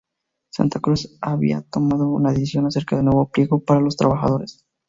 Santa Cruz había tomado una decisión acerca del nuevo pliego para los trabajadores.